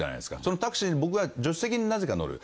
そのタクシーに僕が助手席になぜか乗る。